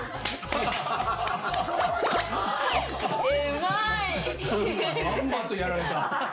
まんまとやられた。